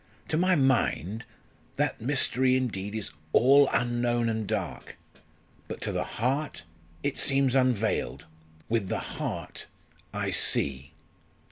To my mind, that mystery indeed is all unknown and dark but to the heart it seems unveiled with the heart, I see."